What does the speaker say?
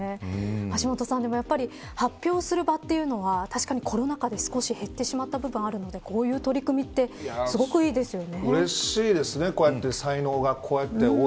橋下さん、でも発表する場というのは確かにコロナ禍で少し減ってしまった部分があるのでこういう取り組みってすごくいいですよね。